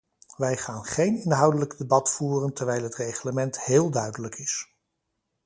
Wij gaan geen inhoudelijk debat voeren terwijl het reglement heel duidelijk is.